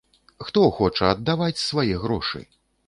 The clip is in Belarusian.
Хто хоча аддаваць свае грошы!?